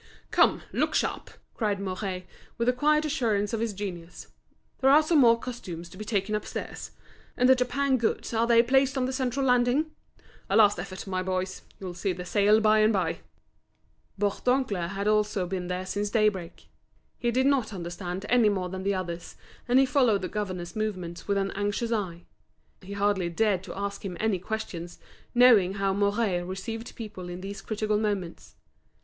"Come, look sharp!" cried Mouret, with the quiet assurance of his genius. "There are some more costumes to be taken upstairs. And the Japan goods, are they placed on the central landing? A last effort, my boys, you'll see the sale by and by." Preparing for the Great Exhibition of Summer Novelties at The Ladies' Paradise Bourdoncle had also been there since daybreak. He did not understand any more than the others, and he followed the governor's movements with an anxious eye. He hardly dared to ask him any questions, knowing how Mouret received people in these critical moments.